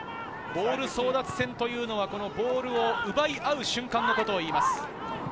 ボール争奪戦というのは、ボールを奪い合う瞬間のことをいいます。